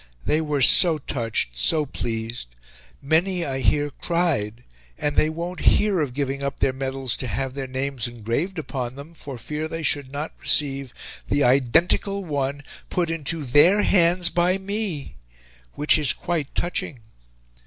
They were so touched, so pleased; many, I hear, cried and they won't hear of giving up their medals to have their names engraved upon them for fear they should not receive the IDENTICAL ONE put into THEIR HANDS BY ME, which is quite touching.